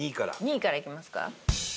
２位からいきますか？